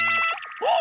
あっ！